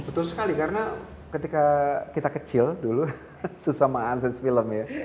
betul sekali karena ketika kita kecil dulu susah menganses film ya